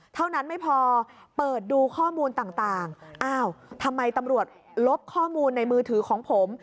เท่านั้นไม่พอเปิดดูข้อมูลต่างอ้าวทำไมตำรวจลบข้อมูลในมือถือของผม